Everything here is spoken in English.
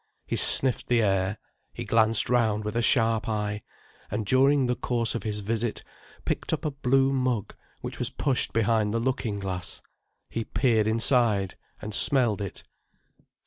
He sniffed the air: he glanced round with a sharp eye: and during the course of his visit picked up a blue mug which was pushed behind the looking glass. He peered inside—and smelled it.